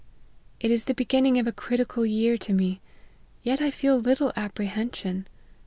It is the beginning of a critical year to me : yet I feel little apprehension.